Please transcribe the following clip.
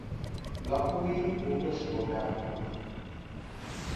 Lakói módos polgárok voltak.